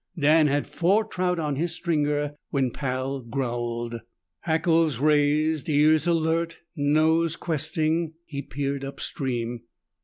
Dan had four trout on his stringer when Pal growled. Hackles raised, ears alert, nose questing, he peered up stream.